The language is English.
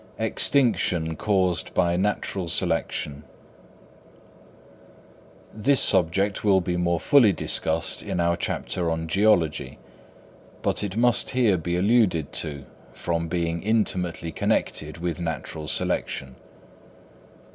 Extinction caused by Natural Selection. This subject will be more fully discussed in our chapter on Geology; but it must here be alluded to from being intimately connected with natural selection.